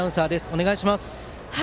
お願いします。